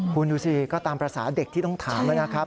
คุณดูสิก็ตามภาษาเด็กที่ต้องถามนะครับ